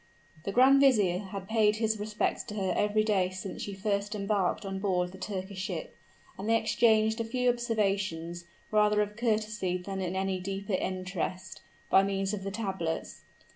The grand vizier had paid his respects to her every day since she first embarked on board the Turkish ship; and they exchanged a few observations, rather of courtesy than in any deeper interest, by means of the tablets.